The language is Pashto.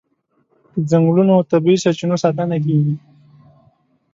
د ځنګلونو او طبیعي سرچینو ساتنه کیږي.